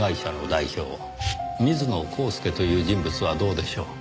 水野浩介という人物はどうでしょう？